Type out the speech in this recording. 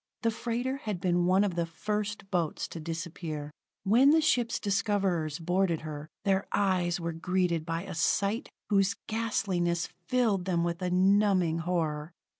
The freighter had been one of the first boats to disappear. When the ship's discoverers boarded her, their eyes were greeted by a sight whose ghastliness filled them with a numbing horror.